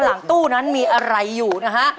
หลังตู้นั้นมีอะไรอยู่นะฮะ